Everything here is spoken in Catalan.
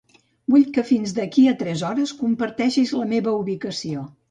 Vull que fins d'aquí a tres hores comparteixis la meva ubicació.